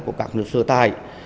của các người sửa tài